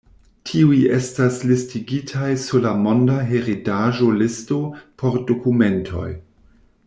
Tiuj estas listigitaj sur la monda heredaĵo-listo por dokumentoj.